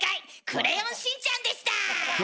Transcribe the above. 「クレヨンしんちゃん」でした。